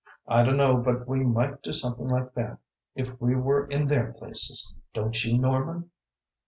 I dunno but we might do something like that, if we were in their places don't you, Norman?"